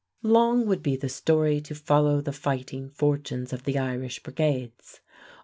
Long would be the story to follow the fighting fortunes of the Irish Brigades.